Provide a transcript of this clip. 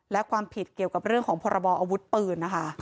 และความผิดเกี่ยวกับเรื่องของพรบออาวุธปืนนะคะ